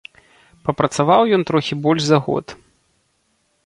Прапрацаваў ён трохі больш за год.